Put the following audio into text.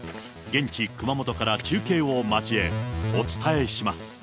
現地、熊本から中継を交え、お伝えします。